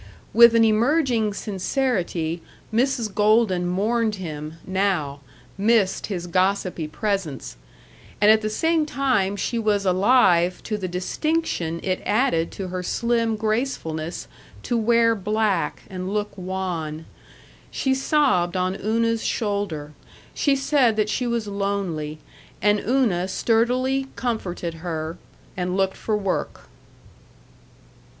With an emerging sincerity, Mrs. Golden mourned him, now, missed his gossipy presence and at the same time she was alive to the distinction it added to her slim gracefulness to wear black and look wan. She sobbed on Una's shoulder; she said that she was lonely; and Una sturdily comforted her and looked for work.